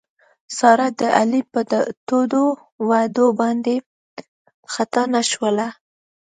ساره د علي په تودو وعدو باندې خطا نه شوله.